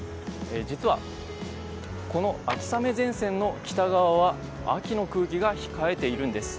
実は、この秋雨前線の北側は秋の空気が控えているんです。